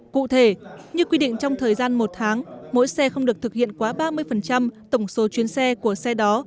cụ thể như quy định trong thời gian một tháng mỗi xe không được thực hiện quá ba mươi tổng số chuyến xe của xe đó